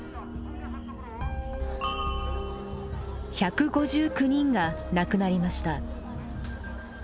１５９人が亡くなりました。